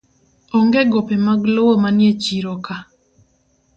Onge gope mag lowo manie chiro ka